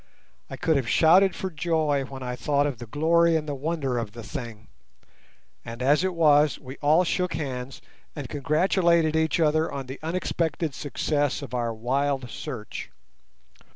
I could have shouted for joy when I thought of the glory and the wonder of the thing; and as it was, we all shook hands and congratulated each other on the unexpected success of our wild search.